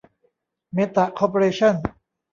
เมตะ คอร์ปอเรชั่น